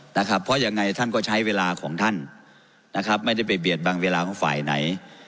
นะครับเพราะยังไงท่านก็ใช้เวลาของท่านนะครับไม่ได้ไปเบียดบังเวลาของฝ่ายไหน